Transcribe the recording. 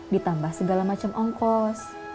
ditambah segala macam ongkos